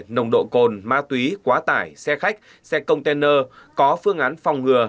nồng độ cồn ma túy quá tải xe khách xe container có phương án phòng ngừa